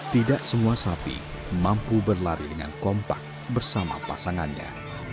tidak semua sapi mampu berlari dengan kompak bersama pasangannya